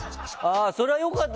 それは良かった。